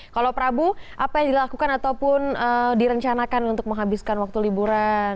kalau prabu apa yang dilakukan ataupun direncanakan untuk menghabiskan waktu liburan